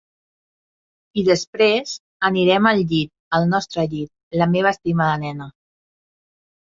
I després anirem al llit, al nostre llit, la meva estimada nena.